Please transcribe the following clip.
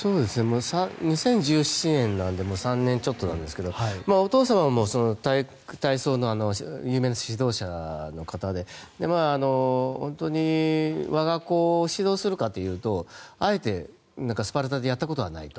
２０１７年なので３年ちょっと前ですけどお父様も体操の有名な指導者の方で本当に我が子を指導するかというとあえて、スパルタでやったことはないと。